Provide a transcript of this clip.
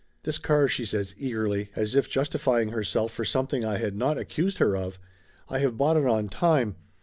"This car," she says eagerly, as if justifying herself for something I had not accused her of "I have bought it on time.